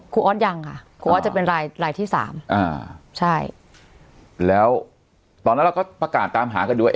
ออสยังค่ะครูออสจะเป็นรายรายที่สามอ่าใช่แล้วตอนนั้นเราก็ประกาศตามหากันดูว่า